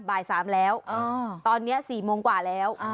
บ่าย๓แล้วตอนนี้๔โมงกว่าแล้ว